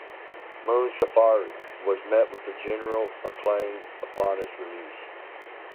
"Moon Safari" was met with general acclaim upon its release.